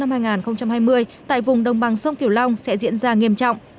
sâm nhập mặn mùa khô năm hai nghìn hai mươi tại vùng đồng bằng sông cửu long sẽ diễn ra nghiêm trọng